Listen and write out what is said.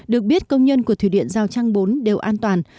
được biết công nhân của thủy điện giao trang bốn đều an toàn